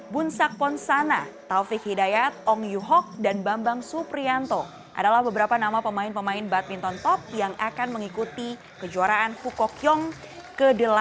bunsak ponsana taufik hidayat ong yuhok dan bambang suprianto adalah beberapa nama pemain pemain badminton top yang akan mengikuti kejuaraan fukokyong ke delapan